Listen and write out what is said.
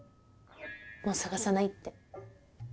もう捜さないって。